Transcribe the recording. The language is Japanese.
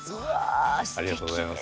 ありがとうございます。